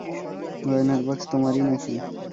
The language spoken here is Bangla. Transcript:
গয়নার বাক্স তোমারই নাকি?